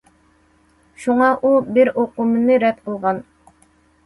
شۇڭا، ئۇ« بىر» ئۇقۇمىنى رەت قىلغان.